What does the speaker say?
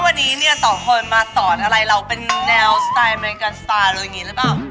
บอกต่อว่าวันนี้ต่อคนมาสอนอะไรเราเป็นแนวสไตล์แมรกันสไตล์อะไรแบบนี้หรือเปล่า